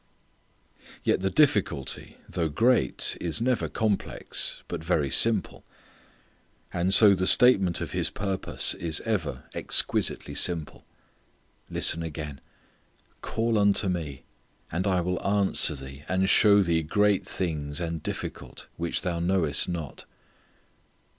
Yet the difficulty though great is never complex but very simple. And so the statement of His purpose is ever exquisitely simple. Listen again: "Call unto Me, and I will answer thee and shew thee great things and difficult which thou knowest not."